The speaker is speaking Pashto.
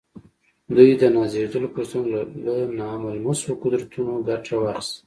دوی د نازېږېدلو فرصتونو له ناملموسو قدرتونو ګټه واخيسته.